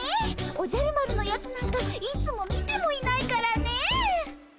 おじゃる丸のやつなんかいつも見てもいないからねえ。